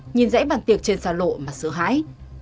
nhìn dãy bàn tiệc trên xà lộ mà sửa hãi